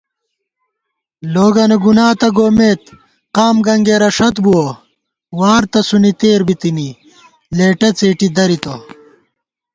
لوگَنہ گُنا تہ گومېت ، قام گنگېرہ ݭت بُوَہ * وار تسُونی تېر بِتِنی، لېٹہ څېٹی دَرِتہ